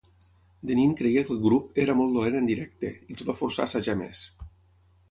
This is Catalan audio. Denneen creia que el grup "era molt dolent en directe" i els va forçar a assajar més.